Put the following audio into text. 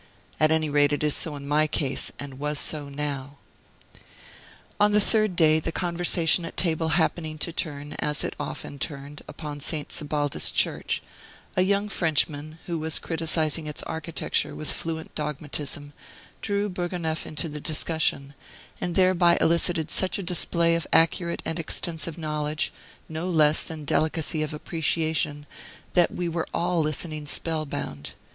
At any rate it is so in my case, and was so now. On the third day, the conversation at table happening to turn, as it often turned, upon St. Sebald's Church, a young Frenchman, who was criticising its architecture with fluent dogmatism, drew Bourgonef into the discussion, and thereby elicited such a display of accurate and extensive knowledge, no less than delicacy of appreciation, that we were all listening spellbound.